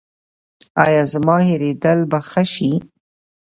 ایا زما هیریدل به ښه شي؟